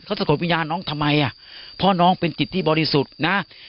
เขาสะกดวิญญาณน้องทำไมอ่ะเพราะน้องเป็นจิตที่บริสุทธิ์นะ